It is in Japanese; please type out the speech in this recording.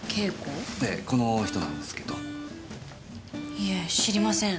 いえ知りません。